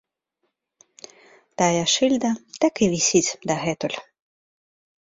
Тая шыльда так і вісіць дагэтуль.